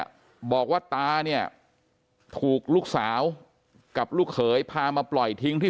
บอกว่าตาเนี่ยถูกลูกสาวกับลูกเขยพามาปล่อยทิ้งที่